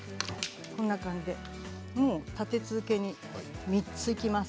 こんな感じでもう立て続けに３ついきます。